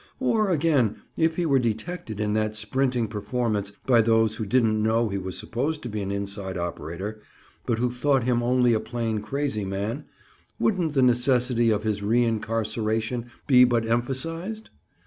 Or again, if he were detected in that sprinting performance by those who didn't know he was supposed to be an inside operator, but who thought him only a plain crazy man, wouldn't the necessity for his reincarceration be but emphasized?